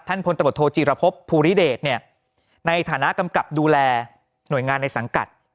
พลตำรวจโทจีรพบภูริเดชเนี่ยในฐานะกำกับดูแลหน่วยงานในสังกัด